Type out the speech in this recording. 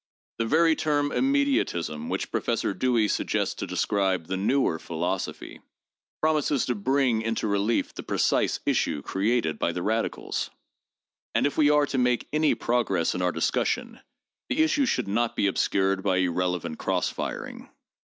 The very term ' immediatism, ' which Professor Dewey suggests to describe the 'newer' philosophy, promises to bring into relief the precise issue created by the radicals. And if we are to make any progress in our discussion, this issue should not be obscured by irrelevant cross firing.